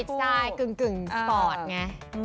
สตรีทไซต์กึ่งสปอร์ตไง